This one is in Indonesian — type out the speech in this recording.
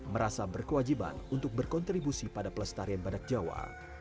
merasa berkewajiban untuk berkontribusi pada pelestarian badak jawa